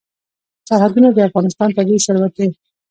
سرحدونه د افغانستان طبعي ثروت دی.